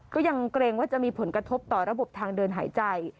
ก็ยังเกรงว่าจะมีผลกระทบต่อระบบทางเดินหายใจ